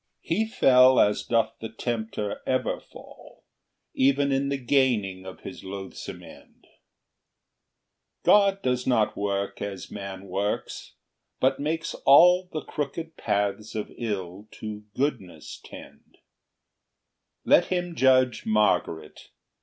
VI. He fell as doth the tempter ever fall, Even in the gaining of his loathsome end; God doth not work as man works, but makes all The crooked paths of ill to goodness tend; Let him judge Margaret!